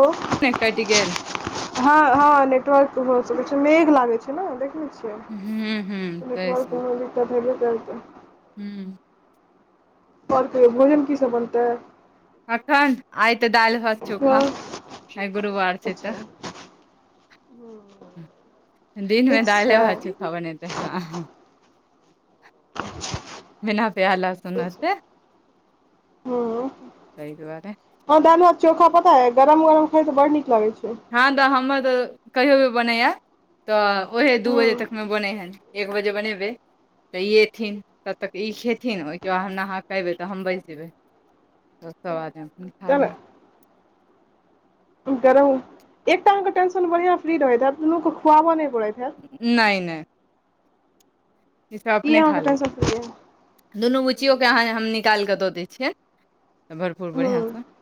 ओ अखनई कटि गेल हँ हँ नेटवर्क हो सकै छै मेघ लागै छैय न द देखे न छियाई हूँ अच्छा हूँ तऽ [inaudible] तहि सँ नेटवर्क कोनो दिक्कत हेबे करतै हूँ आओर कहियौ भोजन की सब बनतै अखन आइ ते दालि भात चोखा आइ गुरुवार छैय तऽ ओ दिनमे दालै भात चोखा बने रहै हां बिना प्याज लहसुन सँ हँ तैहि दुआरे हँ दाल भात चोखा पता है गरम गरम खाइ त बड नीक लगै छौ हँ तऽ हमर तऽ कहियो भी बनैया तऽ ओहे दू हँ बजे तकमे बनै हन एक बजे बनेबै तऽ ई एथिन तब तक ई खेथिन ओहिके बाद हम नहां के अएबै तऽ हम बैज देबै त सब आदमी खा तै ने लेतय गरम एक टाइम के टेंशन बढ़िआँ फ्री रहैत हैतत दलोक के खुआबऽ नहि पड़ैत हैत नैय नैय इ सब ई अपने खा अहाँके लै टेंशन फ्री अइ दुनू बुच्चियोके अहाँ हम निकालि कऽ दऽ दैय छियै तऽ भरपूर बढ़िआँ सँ हँ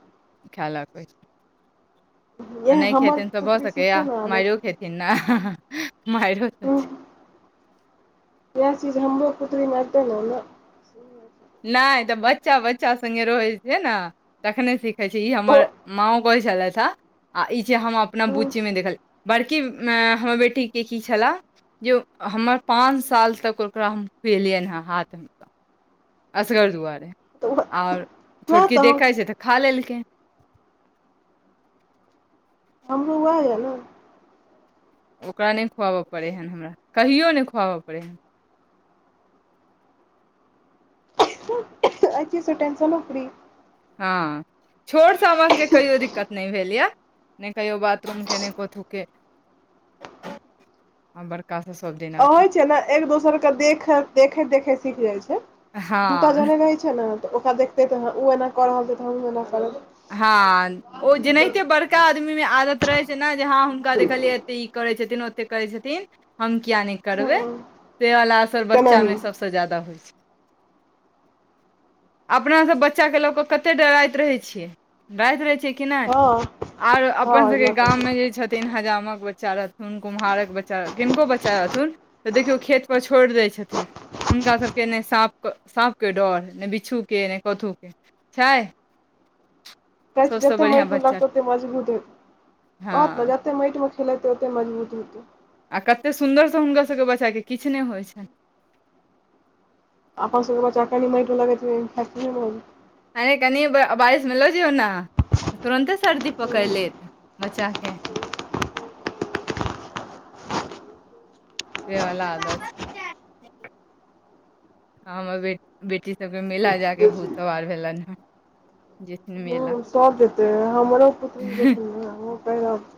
खाय लगबै आ इएह नहि हमर खेथिन तऽ भऽ पुत्री सकैए सिखतै ने मारिओ आदत खेथिन न मारो इएह चीज हमरो पुत्रीमे एते न न की होय छै नहि तऽ बच्चा बच्चा संगे रहै छैय न तखने सिखे छैय ई ओ हमर माओ कहय छलैथ हन आ ई जे हम अपना बुचीमे हँ देखल बड़की हमर बेटीके की छलाह जे हमर पाच साल तक ओकरा हम खुएलियन हन हाथ मे असगर दुआरे तऽ आओर छोटकी देखैत छैय तऽ खा लेलकै हमरो उएह यऽ न ओकरा नहि खुआबऽ पड़ै ह हमरा कहियो नहि खुआबऽ पड़ै अए चीज से टेंशनो फ्री हँ छोटसँ हमर सभके कहियो दिक्कत नहि भेल यए नैय कहियो बाथरूम के नैय कोथूके बड़ कासो सब दिन आ होय छीयै न एक दोसर के देखैत देखैत देखैत सीख जाइत छैय दूटा हँ जने रहै छैय न तऽ ओकरा देखतै तऽ ह ओ एना कऽ रहल छैैय तऽ ओ एना करै हँ ओ जेनाहिते बड़का आदमी मे आदत रहे छ न जे हँ हुनका देखलियै एते ई करै छथिन ओते करै छथिन हम किया नैय करबै हँ ताहिवला असर तेनाही बच्चामे सभसँ जादा होइ छै अपना सब बच्चाके लऽ कऽ कते डराइत रहै छियै राइत रहै छियै की नहि हँ आर हँ अपन ई सबके बात तऽ गाँम छै मे जे छथि तीन हजामक बच्चा रहथुन कुम्हारक बच्चा किनको बच्चा रहथुन तऽ देखियौ खेतपर छोड़ि दैत छथिन हुनका सबके ने साप सापके डर ने बिछूके ने कथहु के छै कहि सबसँ जते बढ़िआँ मइट बच्चा लगतै ओते मजबुत भी होततै हँ बहुत मजा मइट म खेलत रहेते मजबूत हेतै आ कतेक सुन्दरसँ हुनकासभके बच्चाके किछु नहि होइ छनि अपन सब के बच्चा कनी मइटो लगैत फ आऐ कनि बारिशमे लऽ जइयो ने तुरन्ते सर्दी पकड़ि फैक्ट्रीमे लेत बच्चाके बेऔलाद अय ह हमर बे बेटी सबके मेला जाक भूत सवार भेलनि हें जतन मेल सब जेते है हमरो पुत्री जेथिन हमहु कही रहै छीये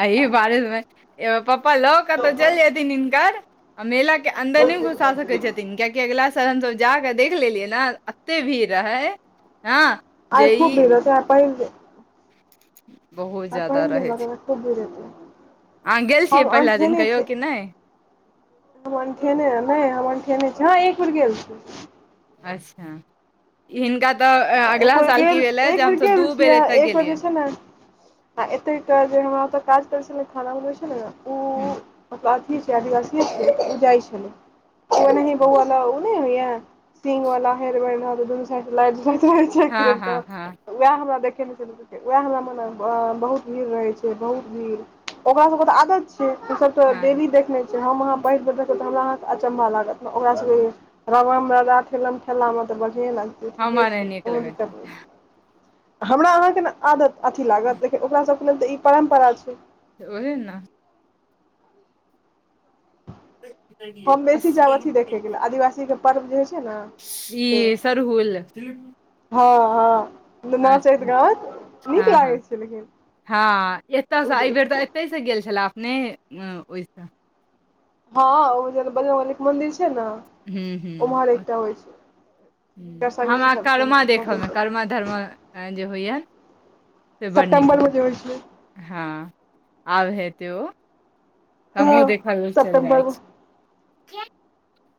अहि बारे मे एो पप्पा लो कतहु चलि जेयथिन हिनकर आ मेला के अन्दर नहि घुसा सकैत छथिन कियाकि अगिला साल हमसभ जाकऽ देख लेलियै ने एते भीड़ रहै हँ आइ जे खूब ई भीगतै पहि [inaudible] आय ज्यादा पहिल दिन रहै रहय छै आय एतो भीड़ हेतेय अहाँ गेल छियै पहिला दिन कहियौ कि नहि हम अनठेने नहि हम अनठेने छी ह एक बेर गेल छी अच्छा हिनका तऽ एक अगला बेर साल की गेल भेलै एक जे बेर हमसभ गेल दू बेर छियै एतय एक जे गेलियै छै ने आ एते जे हमरा ओतऽ काज करै छलै खाना बनबै छलै ने ओ हू मतलब अथी छै आदिवासी छै ओ जाइ छलय से ओहनाई अच्छा बऊआ न नहि होयै सिंग वाला हेयर बैंड दोनू साइड स लगैत रहै छै हँ किरण क हँ हँ उएह हमरा देखेने छल उएह हममे ने बहुत भीड़ रहै छै बहुत भीड़ ओकरा सबके तऽ आदत छै ओ सब तऽ हँ डेली देखने छ छी हम अहाँ बैठिक देखबै तऽ हमरा अहाँके अचंभा लागत ओकरा सबके राम रा ठेलम ठेला में ते बढ़ियाे लग हमार नहि नीक लगैत हमरा अहाँके आदत अथि लागत ओकरा सभ मतल तऽ ई परम्परा छै ओएहे ने हम बेसी अस- जैब अथी देखेके ल आदिवासी के पर्व जे होइ छै ने से ई सरहुल हँ हँ नाचैत अच्छा गाबैत नीक हँ लागै हँ छै लेकिन हँ एतऽ स ओ आइ बेर देख तऽ एतहि से गेल छले अपने ओहिसँ हँ ओ बजरग वली के मंन्दिर छै ने हू हू ओम्हर एकटा होइ छै हुनकर ह संगी हमरा सब कर्मा छै देखयमे कर्मा धर्मा जे होइया से बड़ नीक सेप्टेम्बर मे लागै जे होइ छै हँ आब है त ओ हमहू हँ देखाै न चल सेप्टेम्बर जाइ मे छै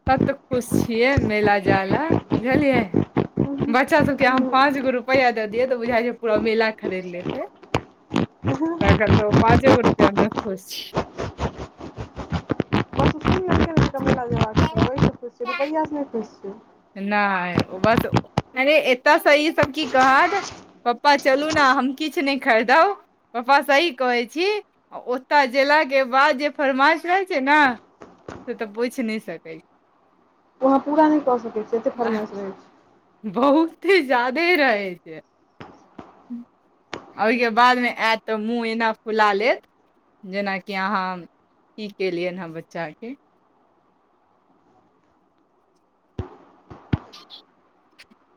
तत खुश छियै मेला जाला बुझलियै बच्चासभके अहाँ पाँच गो रुपैआ दऽ दियै तऽ बुझाइ छै पूरा मेला खरीद लेतै [unintelligible] तऽ पाँचेगो रुपैयामे खुश छै रुपैआ स नहि खुस छै नहि बस अ एतै स ई सब की कहत पप्पा चलू ने हम किछु नइ खरीदब पप्पा सही कहै छी ओतय गेलाक के बाद जे फरमाइश रहै छै ने से तऽ पूछि नइ सकै छी ओ अहाँ पूरा नइ कऽ सकै छियै एतेक फरमाइश रहै छै बहुत जादे रहै छै ओइके बादमे आयत तऽ मुँह एना फुला लेत जेनाकि अहाँ की केलियनि हँ बच्चाके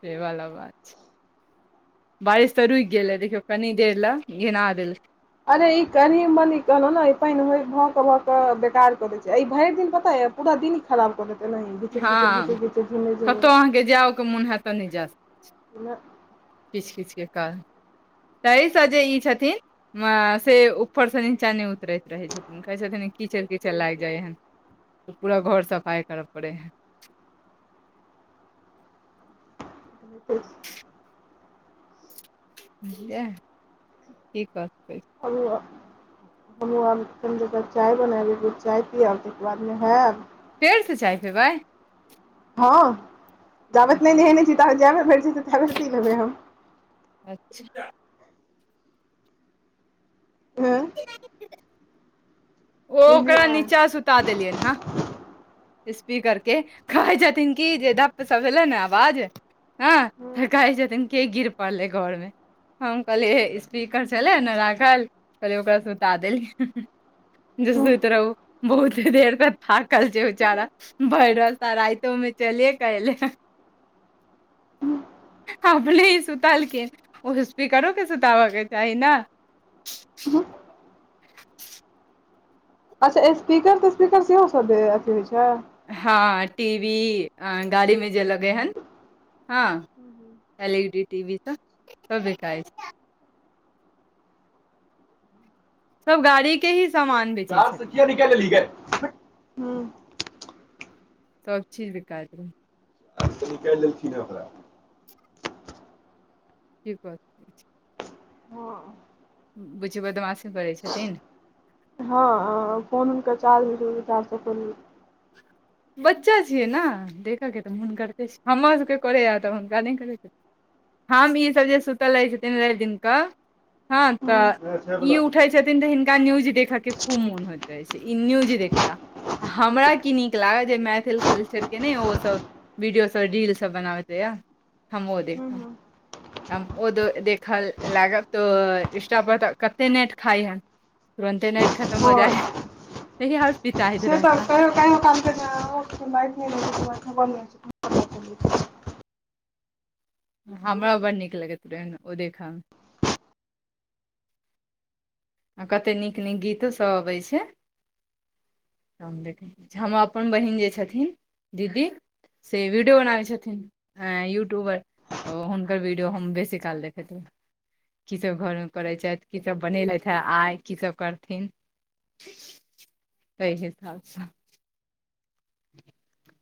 सेवला बात छै बारिश तऽ रुकि गेल ह देखियौ कनी देर लए घीना देल अरे ई कनि मनी कहलौं नइ पानि भऽ कऽ भऽ कऽ बेकार कऽ दै छै ई भरि दिन पता यऽ पूरा दिन खराबऽ देत एनाहिीिचड़िचड़ घिचि घिचर घिमे घिमे आहाँक जाउ मन हतऽ नय जायत [inaudible] किच किच के कारण तहि से जे ई छथिन से ऊपर से नीचा नइ उतरैत रहै छथिन कहै छथिन कीचड़ कीचड़ लागि जाइ हन पूरा घर सफाइ करऽ पड़ै हइ [inaudible] बुझलियै की काय सकै छिअय हब [inaudible] हमहू आब कनि जरा चाय बनाबे चाय पियब तइके बादमे होयब फेरसे चाय पिबै हँ जाबत नइ नहेने छी ताबतऽ जै बेर भेंटतै तै बेर पी लेबै हम अच्छा हँ ओ बुझलियै ओकरा नीचा सुता देलियै हँ स्पीकरके कहै छथिन कि जे धप से भेलय न आवाज हँ हँ त कहै छथिन के गिर पड़लै घरमे हम कहलियैे स्पीकर छलै ने राखल कहलिय ओकरा सुता देलिय जे सुति रहु बहुते देर पर थाकल जे बेचारा भरि रस्ता राइतोमे चले कऽ एलेह अपने सुतलखिन ओ स्पीकरो के सुताबऽ के चाही ने [inaudible] अच्छा स्पीकर तेस्पीकर सेहो सब अथी होइ छै हँ टी वी गाड़ीमे जे लगै हन हँ L E D T V स सब बिकाइछै सब गाड़ी के ही सामान बेचै कार से छथिन किया निकैललीही गे सब चीज बिकाइ छै क देलखिन ने हमरा की करू हं बुच्ची बदमाशी करै छथिन हँ फोन हुनकर चार्ज [unintelligible] बच्चा छियै ना देखऽ के तऽ मोन करते छै हमरा सबके करै तऽ हुनका नइ करै छै हम ई सब जे सुतल रहै छथिन रैब दिन कऽ हँ तऽ वएह छै ई बला उठै छथिन तऽ हिनका न्यूज देखऽ के खूब मोन होइत अछि ई न्यूज देखता हमरा की नीक लागत जे मैथिली कल्चर के ने ओसब वीडियो सब रीलसब बनाबैत रहैया हम वो देखब हँ हम ओ देखऽ लागब तऽ इंस्टा पर तऽ कते नेट खाइ हे तुरन्ते नेट खतम हो जाए हए [unintelligible] से त कहियो काल क [unintelligible] हमरा बड नीक लगैत रहै ओ देख‌ म आ कतेक नीक नीक गीतोसभ अबैत छै हमर अपन बहिन जे छथिन दीदी से वीडियो बनाबै छथिन अ यूट्यूबर ओ हुनकर वीडियो हम बेसी काल देखैत रह की सब घर में करै छथि की सब बनेलथि आइ की सब करथिन ताहि हिसाबसँ [inaudible]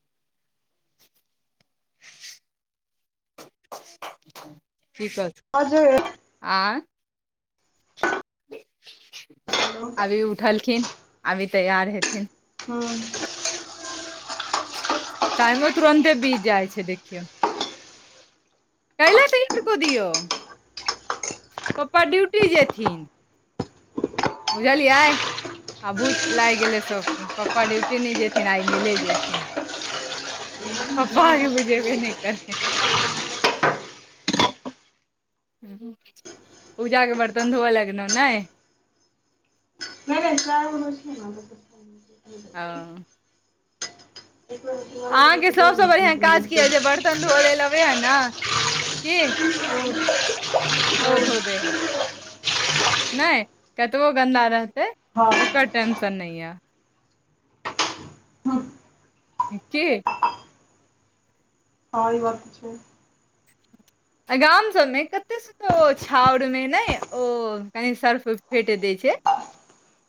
की कहथुन अजे आंय हँ आब इ उठलखिन आब इ तैयार हेथिन हू टाइमो तुरन्ते बीत जाइ छै देखियौ काय लेअ क दिऔ पप्पा ड्यूटी जेथिन बुझलियै आ भूत लागि गेले सबके पप्पा ड्यूटी नै जेथिन आइ मिले जेथिन पप्पा आगे मुझे भ नहि करते पूजाके बर्तन धोअ लगलहुँ ने नइ नइ चाय बनबै छिअय ह ह अहाँके सभसँ बढ़िआँ काज की यए जे बरतन धोअय लेल अबैए ने की [inaudible] तो ओ धो दे है नहि कतबो गन्दा रहतै हँ ओकर टेंशन नहि य की आ ई बात छै गाम सबमे कतेक त छाउर मे ने ओ कनि सरसो फेट दै छै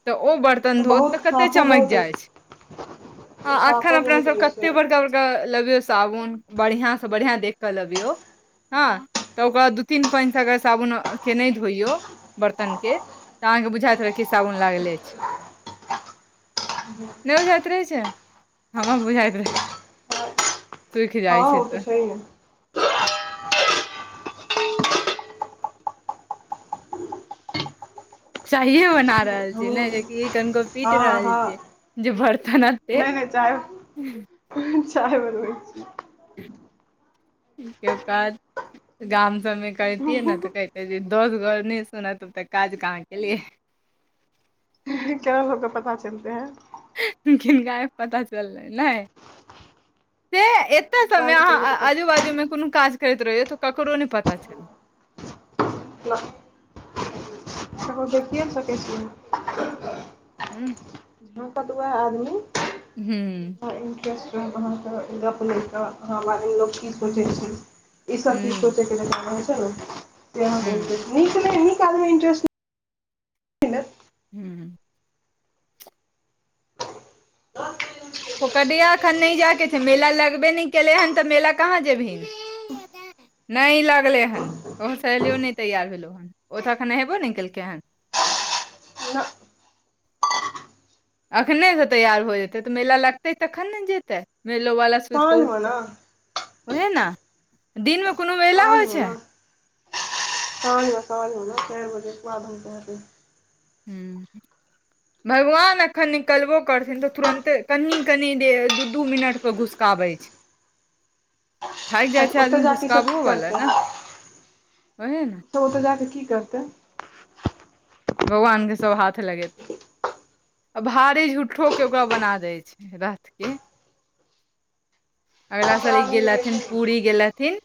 तऽ ओ बर्तन धोत बहुत तऽ कते साँपो चमक बहुत जाइत छै ह एखन साँपो बहुत अपनासभ होइ छै कतेक बड़का बड़का लेबियौ साबुन बढ़िआँसँ बढ़िआँ देखि कऽ लेबियौ हँ तऽ ओकरा दू तीन पानिसँक साबुनके नहि धोइयौ बरतनके तऽ अहाँके बुझाइत रहत की साबुन लागल अछि नहि बुझाइत रहै छै हमर बुझायत रहै सुूखि हँ जाइ छै ओ तऽ छैहे चाहिए बना रहल छीियै ने हँ जेकि कनिको पीट रहल छै हँ जे बर्तन पे नहि नहि चाय चाय बनबै छी के बाद गाम सबमे करतियै ने तऽ कहहिते जे दोस घर नहि सुनत तब तऽ काज कहाँ केलियै छी केना लोक सबके पता चलते है किनका ने पता चललै ने से ए कते सब मे हुनका अहाँ ककरो आजू बाजू में कोनो काज करैत रहिय तो ककरो नहि पता च न [inaudible] हूँ भौकत उहाय आदमी हूँ गप ले के अहा बारे मे लोग की सोचे छै ई सब चीज हूँ सोचे हूँ इेस् [unintelligible] हू पोकरिया एखन नहि जाय के छै मेला लगबे नहि केलयै हन तऽ मेला कहाँ जेबही नहि लगलै हन‌ तोहर सहेलियो नहि तैयार भेलहु ह ओ तऽ एखन नहेबो नहि केलकै हन न अखनेसँ तैयार हो जेतै तऽ मेला लगतै तखन ने जेतै मेलो वला सुति कऽ साँझमे ने उठतै ओहे ने दिन में कोनो मेला होइ साजमे छै ने काजमे साजमे ने चारि बजे के बाद हम कह हू भगवान अखन निकलबो करथिन तऽ तुरंते कनि कनि देर दू दू मिनट पर घुसकाबे छै [inaudible] थक जाइ तऽ छै ओतय आदमी जा कऽ ईसभ घुसखाव की हो वला करतै ने ओहे ने तऽ ओतऽ जाकऽ की करतै भगवान के सब हाथ लगेैतय आ भारी झूठो के ओकरा बना देय छै रथ के अगला साल सभटा इ आदमी रहै गेलथिन छै ने पूरी गेलथिन थिन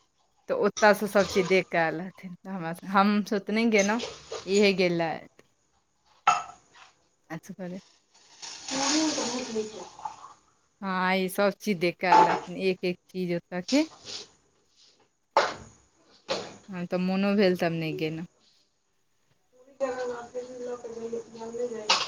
तऽ ओतयसँ सभचीज देख कऽ आयल हथिन तऽ हमरा हमसभ तऽनहि गेलहुँ ई हे गेला असगरे। मोन बहुत होइ छै। हँ, आइ सभ चीज देखक ऐल रहथिन एक एक चीज ओतऽ के। हँ, तऽ मोनो भेल तब नहि गेलहुँ। पूरी तऽ अगर मार्केटमे लऽ कऽ जइयै तऽ जमले जाइ छै